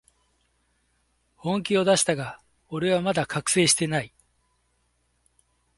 本気を出したが、俺はまだ覚醒してない